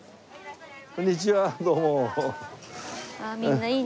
こんにちはどうも。